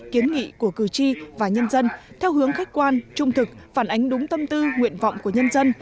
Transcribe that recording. kiến nghị của cử tri và nhân dân theo hướng khách quan trung thực phản ánh đúng tâm tư nguyện vọng của nhân dân